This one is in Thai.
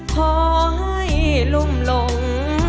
ขอให้ลุ่มหลง